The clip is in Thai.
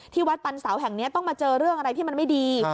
วัดปันเสาแห่งนี้ต้องมาเจอเรื่องอะไรที่มันไม่ดี